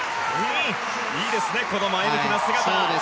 いいですね、前向きな姿。